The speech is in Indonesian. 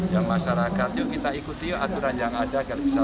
yang masyarakat juga kita ikuti aturan yang ada agar bisa